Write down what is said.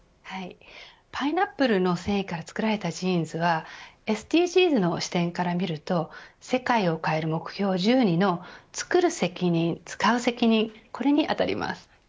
パイナップルの繊維から作られたジーンズはＳＤＧｓの視点から見ると世界を変える目標１２のつくる責任つかう責任これに当たります。